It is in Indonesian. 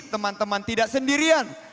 teman teman tidak sendirian